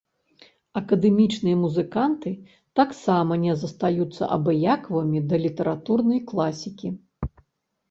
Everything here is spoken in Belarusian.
Акадэмічныя музыканты таксама не застаюцца абыякавымі да літаратурнай класікі.